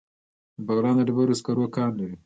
بغلان د ډبرو سکرو کان لري